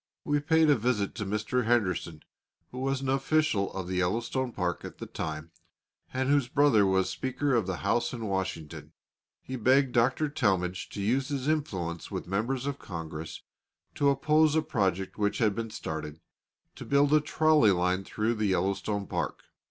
We paid a visit to Mr. Henderson, who was an official of the Yellowstone Park at that time, and whose brother was Speaker of the House in Washington. He begged Dr. Talmage to use his influence with members of Congress to oppose a project which had been started, to build a trolley line through the Yellowstone Park.